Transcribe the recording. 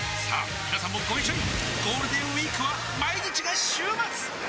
みなさんもご一緒にゴールデンウィークは毎日が週末！